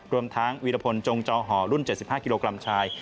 รวมทั้งวีรพลจงจอห่อรุ่น๗๕กิโลกรัมชาย